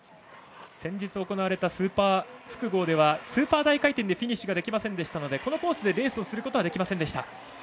先日行われたスーパー複合ではスーパー大回転でフィニッシュができませんでしたのでこのコースでレースをすることができませんでした。